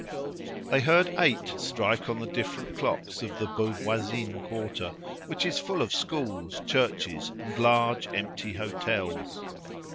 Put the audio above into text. They heard eight strike on the different clocks of the Beauvoisine quarter, which is full of schools, churches, and large empty hotels.